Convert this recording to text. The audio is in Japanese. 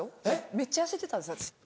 めっちゃ痩せてたんです私。